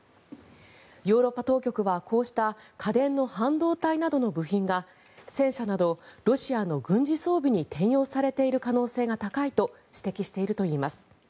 ヨーロッパ当局はこうした家電の半導体などの部品が戦車などロシアの軍事装備に転用されている可能性が高いと指摘しているといいます。